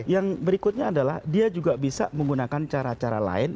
yang berikutnya adalah dia juga bisa menggunakan cara cara lain